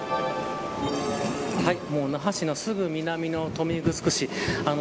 那覇市のすぐ南の豊見城市です。